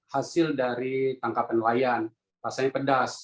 hasil dari tangkapan nelayan rasanya pedas